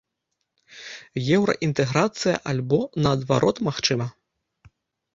Еўраінтэграцыя альбо, наадварот, магчыма?